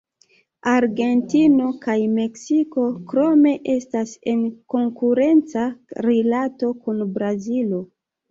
Argentino kaj Meksiko krome estas en konkurenca rilato kun Brazilo.